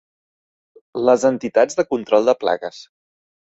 Les entitats de control de plagues.